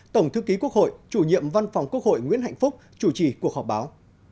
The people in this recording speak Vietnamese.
tổng thư ký quốc hội chủ nhiệm văn phòng quốc hội nguyễn hạnh phúc chủ trì cuộc họp báo